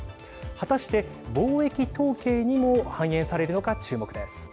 果たして貿易統計にも反映されるのか注目です。